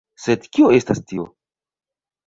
Sed kio estas tio?